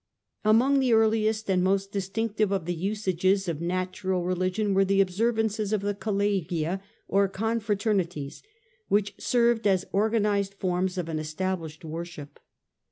Among the earliest and most distinctive of the usages of natural religion were the observances niost fis * of the collegia or confraternities which served wM^were as organized forms of an established worship.